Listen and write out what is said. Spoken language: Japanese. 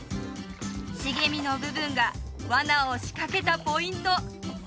茂みの部分がワナを仕掛けたポイント